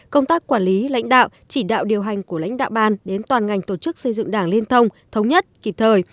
công tác quản lý lãnh đạo chỉ đạo điều hành của lãnh đạo ban đến toàn ngành tổ chức xây dựng đảng liên thông thống nhất kịp thời